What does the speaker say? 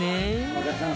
和田さん